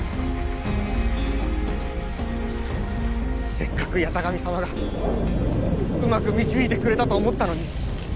せっかく八咫神様がうまく導いてくれたと思ったのに。